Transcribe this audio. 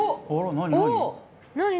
何？